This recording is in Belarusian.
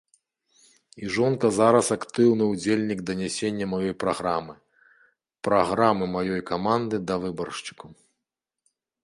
І жонка зараз актыўны ўдзельнік данясення маёй праграмы, праграмы маёй каманды да выбаршчыкаў.